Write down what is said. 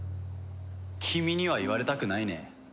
君には言われたくないね。